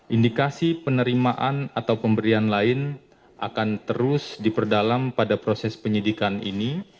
indikasi penerimaan atau pemberian lain akan terus diperdalam pada proses penyidikan ini